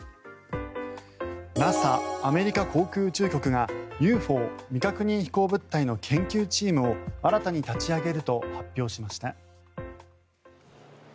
ＮＡＳＡ・アメリカ航空宇宙局がＵＦＯ・未確認飛行物体の研究チームを新たに立ち上げると発表しました。